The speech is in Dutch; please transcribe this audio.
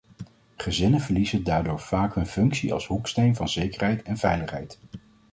Gezinnen verliezen daardoor vaak hun functie als hoeksteen van zekerheid en veiligheid.